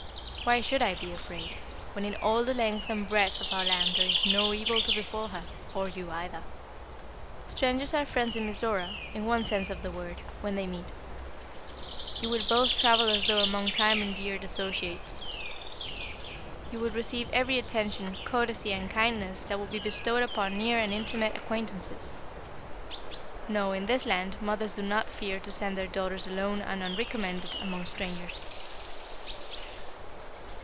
"Why should I be afraid, when in all the length and breadth of our land there is no evil to befall her, or you either. Strangers are friends in Mizora, in one sense of the word, when they meet. You will both travel as though among time endeared associates. You will receive every attention, courtesy and kindness that would be bestowed upon near and intimate acquaintances. No, in this land, mothers do not fear to send their daughters alone and unrecommended among strangers."